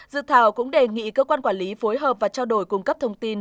dự thảo cũng đề nghị cơ quan quản lý phối hợp và trao đổi cung cấp thông tin